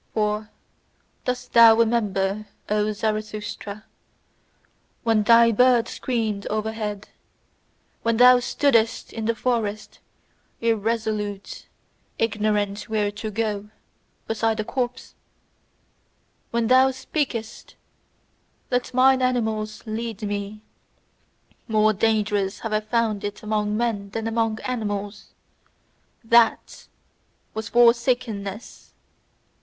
For, dost thou remember, O Zarathustra? When thy bird screamed overhead, when thou stoodest in the forest, irresolute, ignorant where to go, beside a corpse: When thou spakest: 'Let mine animals lead me! More dangerous have I found it among men than among animals:' THAT was forsakenness!